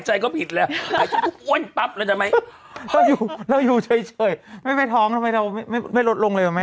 ไม่มีท้องมันจะลดรุงเลยบ้าง